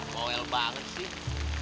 bawel banget sih